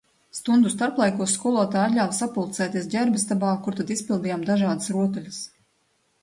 Stundu starplaikos skolotāji atļāva sapulcēties ģērbistabā, kur tad izpildījām dažādas rotaļas.